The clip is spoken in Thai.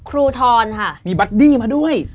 ทรค่ะมีบัดดี้มาด้วย